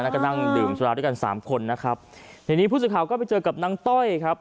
แล้วก็นั่งดื่มสุราด้วยกันสามคนนะครับทีนี้ผู้สื่อข่าวก็ไปเจอกับนางต้อยครับ